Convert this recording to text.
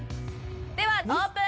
ではオープン！